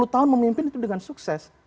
sepuluh tahun memimpin itu dengan sukses